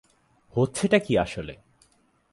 হচ্ছেটা কী আসলে?